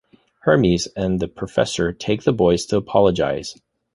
Hermes and the Professor take the boys to apologize.